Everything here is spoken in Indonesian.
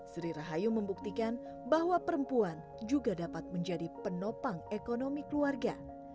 sri rahayu membuktikan bahwa perempuan juga dapat menjadi penopang ekonomi keluarga